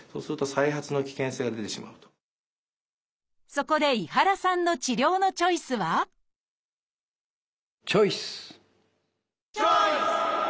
そこで井原さんの治療のチョイスはチョイス！